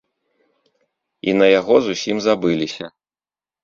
І на яго зусім забыліся.